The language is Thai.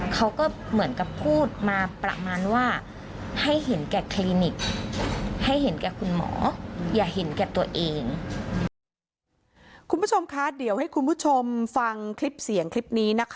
เขาก็เหมือนกับพูดมาปรับ